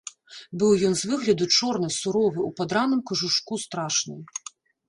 Быў ён з выгляду чорны, суровы, у падраным кажушку страшны.